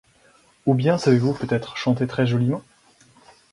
Ou bien, savez-vous peut-être chanter très joliment ?